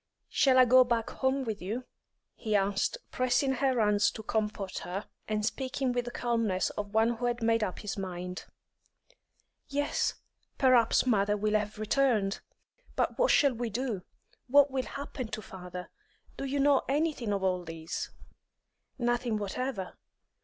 "Shall I go back home with you?" he asked, pressing her hands to comfort her, and speaking with the calmness of one who had made up his mind. "Yes; perhaps mother will have returned. But what shall we do? What will happen to father? Do you know anything of all this?" "Nothing whatever.